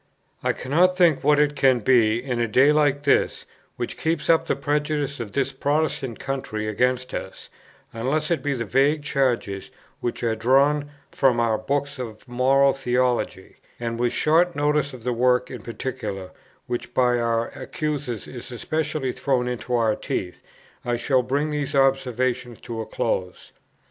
I cannot think what it can be, in a day like this, which keeps up the prejudice of this Protestant country against us, unless it be the vague charges which are drawn from our books of Moral Theology; and with a short notice of the work in particular which by our accusers is especially thrown into our teeth, I shall bring these observations to a close.